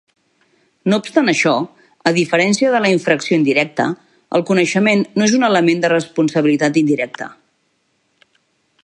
No obstant això, a diferència de la infracció indirecta, el coneixement no és un element de responsabilitat indirecte.